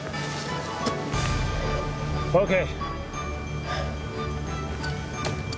ＯＫ。